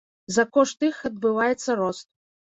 За кошт іх адбываецца рост.